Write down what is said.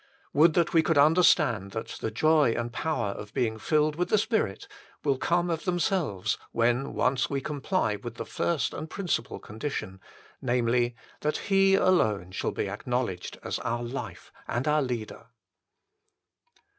Would that we could understand that the joy and power of being filled with the Spirit will come of themselves when once we comply with the first and principal condition namely, that He alone shall be acknowledged as our Life and our Leader.